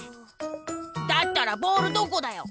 だったらボールどこだよ？